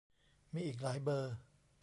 มีอีกหลายเบอร์